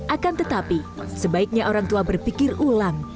akan tetapi sebaiknya orang tua berpikir ulang